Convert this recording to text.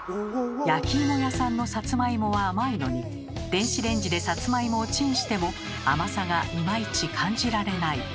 焼き芋屋さんのサツマイモは甘いのに電子レンジでサツマイモをチンしても甘さがいまいち感じられない。